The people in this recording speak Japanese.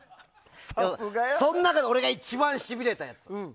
そん中で俺が一番しびれたやつ。